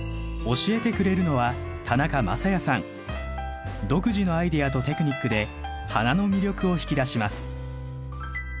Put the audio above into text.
教えてくれるのは独自のアイデアとテクニックで花の魅力を引き出します。